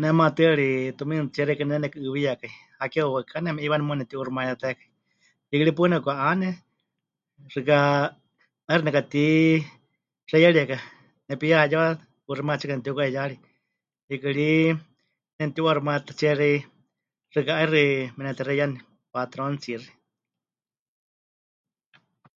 Ne maatɨari tumiinitsie xeikɨ́a nepɨnekɨ'ɨɨwiyakai, hakeewa waɨká neme'iiwani muuwa nemɨti'uuximayátakai, hiikɨ ri paɨ nepɨka'ane, xɨka 'aixɨ nekatixeiyarieka nepihayewa 'uuximayátsika nepɨtiuka'iyari, hiikɨ ri nemɨtiwa'uuximayátatsie ri xɨka 'aixɨ menetexeiyani patróntsiixi.